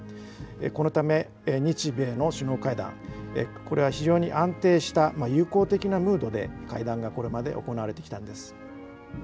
このため日米の首脳会談、これは非常に安定した友好的なムードで会談がこれまで行われてきたんです。